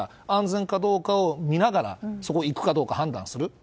安全かどうかを見ながらそこに行くかどうか判断する。